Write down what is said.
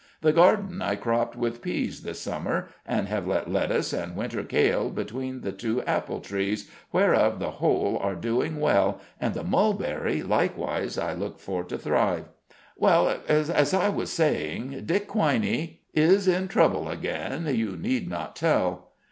The garden I cropped with peas this summer, and have set lettuce and winter kale between the young apple trees, whereof the whole are doing well, and the mulberry likewise I look for to thrive. Well, as I was saying, Dick Quiney "" Is in trouble again, you need not tell."